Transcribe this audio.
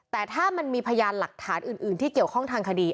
แต่ถ้ามันมีพยานหลักฐานอื่นที่เกี่ยวข้องทางคดี